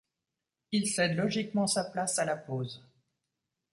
Il cède logiquement sa place à la pause.